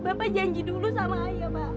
bapak janji dulu sama ayah pak